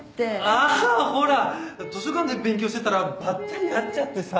あほら図書館で勉強してたらばったり会っちゃってさ。